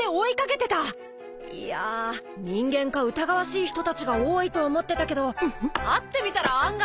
いやあ人間か疑わしい人たちが多いと思ってたけど会ってみたら案外。